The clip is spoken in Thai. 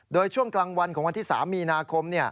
โดยช่วงกลางวันของวันที่๓มีนาคม